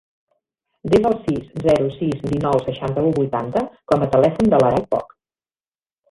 Desa el sis, zero, sis, dinou, seixanta-u, vuitanta com a telèfon de l'Aray Poch.